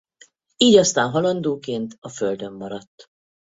Így aztán halandóként a földön maradt.